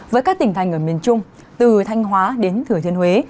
với các tỉnh thành ở miền trung từ thanh hóa đến thừa thiên huế